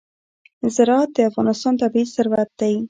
زراعت د افغانستان طبعي ثروت دی.